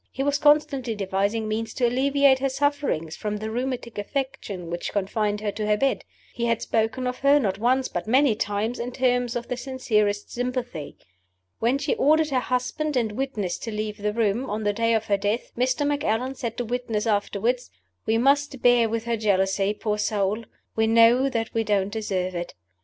He was constantly devising means to alleviate her sufferings from the rheumatic affection which confined her to her bed; he had spoken of her, not once but many times, in terms of the sincerest sympathy. When she ordered her husband and witness to leave the room, on the day of her death, Mr. Macallan said to witness afterward, "We must bear with her jealousy, poor soul: we know that we don't deserve it."